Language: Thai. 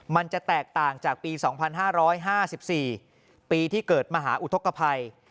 มันจะแตกต่างจากปี๒๕๕๔ปีที่เกิดมหาอุทธกภัย